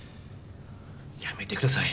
やめてください